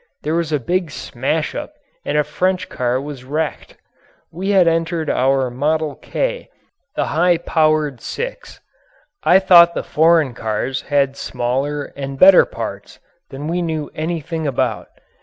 There was a big smash up and a French car was wrecked. We had entered our "Model K" the high powered six. I thought the foreign cars had smaller and better parts than we knew anything about.